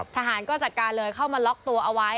ทหารก็จัดการเลยเข้ามาล็อกตัวเอาไว้